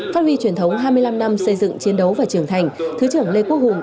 phát huy truyền thống hai mươi năm năm xây dựng chiến đấu và trưởng thành thứ trưởng lê quốc hùng